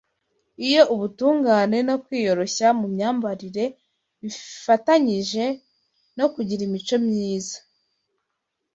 Iyo ubutungane no kwiyoroshya mu myambarire bifatanyije no kugira imico myiza,